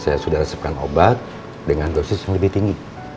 saya sudah resepkan obat dengan dosis yang lebih tinggi